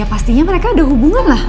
pastinya mereka ada hubungan lah